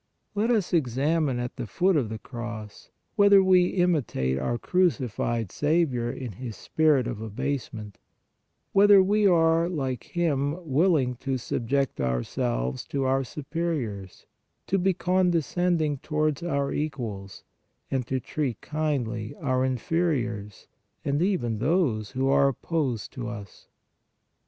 Let us examine at the foot of the Cross, whether we imi tate our crucified Saviour in His spirit of abase ment; whether we are, like Him, willing to subject ourselves to our superiors, to be condescending to wards our equals, and to treat kindly our inferiors, and even those who are opposed to us.